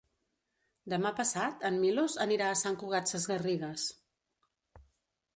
Demà passat en Milos anirà a Sant Cugat Sesgarrigues.